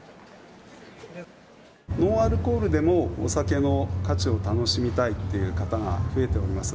ノンアルコールでもお酒の価値を楽しみたいという方が増えております。